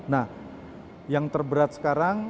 nah yang terberat sekarang